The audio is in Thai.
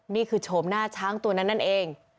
โฉมหน้าช้างตัวนั้นนั่นเอง